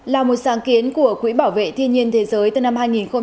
là một sáng kiến của quỹ bảo vệ thiên nhiên thế giới từ năm hai nghìn bảy